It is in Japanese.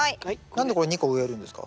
何でこれ２個植えるんですか？